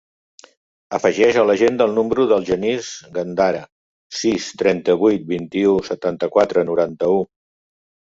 Afegeix a l'agenda el número del Genís Gandara: sis, trenta-vuit, vint-i-u, setanta-quatre, noranta-u.